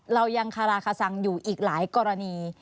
เรายังคาราคาซังอยู่อีกหลายกรณี